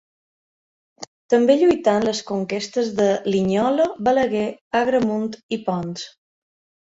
També lluità en les conquestes de Linyola, Balaguer, Agramunt i Ponts.